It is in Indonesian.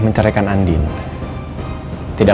mama disini dulu ya